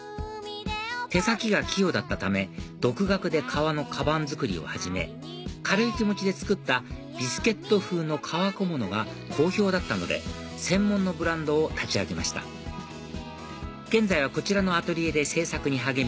手先が器用だったため独学で革のカバン作りを始め軽い気持ちで作ったビスケット風の革小物が好評だったので専門のブランドを立ち上げました現在はこちらのアトリエで制作に励み